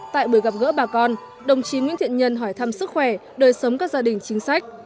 tại buổi gặp gỡ bà con đồng chí nguyễn thiện nhân hỏi thăm sức khỏe đời sống các gia đình chính sách